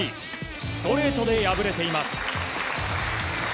ストレートで敗れています。